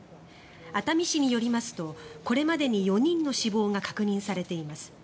熱海市によりますとこれまでに４人の死亡が確認されています。